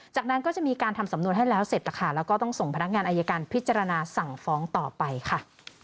จากนั้นก็จะมีการทำสำนวนให้แล้วเสร็จแล้วค่ะแล้วก็ต้องส่งพนักงานอายการพิจารณาสั่งฟ้องต่อไปค่ะ